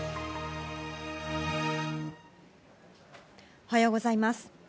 おはようございます。